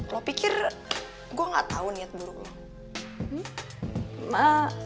lo pikir gue gak tau niat buruk lo